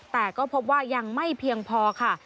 แต่ก็พบว่ายังไม่เพียงพอค่ะ